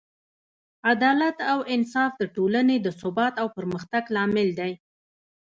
عدالت او انصاف د ټولنې د ثبات او پرمختګ لامل دی.